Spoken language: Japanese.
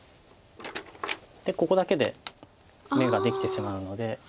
でここだけで眼ができてしまうので。